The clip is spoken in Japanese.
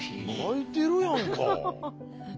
描いてるやんか。